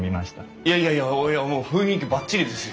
いやいやいやもう雰囲気ばっちりですよ。